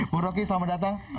bu rocky selamat datang